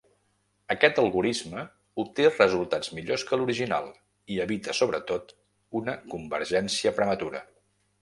Aquest algorisme obté resultats millors que l'original, i evita sobretot una convergència prematura.